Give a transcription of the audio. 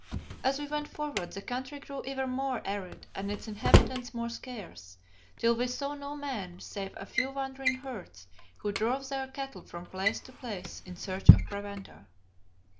As we went forward the country grew ever more arid and its inhabitants more scarce, till we saw no man save a few wandering herds who drove their cattle from place to place in search of provender.